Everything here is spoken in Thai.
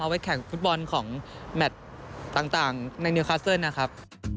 ไปแข่งฟุตบอลของแมทต่างในนิวคัสเซิลนะครับ